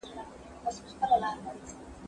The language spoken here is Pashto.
زه هره ورځ د زده کړو تمرين کوم،